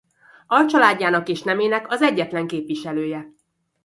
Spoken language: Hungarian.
Alcsaládjának és nemének az egyetlen képviselője.